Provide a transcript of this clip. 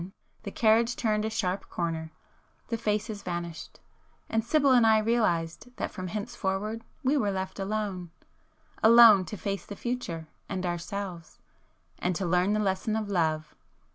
the carriage turned a sharp corner,—the faces vanished,—and Sibyl and I realised that from henceforward we were left alone,—alone to face the future and ourselves,—and to learn the lesson of love